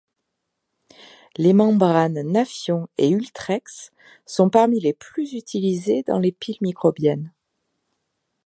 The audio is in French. Les membranes Nafion® et Ultrex® sont parmi les plus utilisées dans les piles microbiennes.